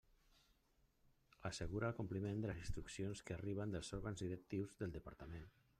Assegura el compliment de les instruccions que arriben dels òrgans directius del Departament.